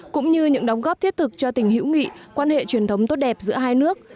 cũng như những đóng góp thiết thực cho tình hữu nghị quan hệ truyền thống tốt đẹp giữa hai nước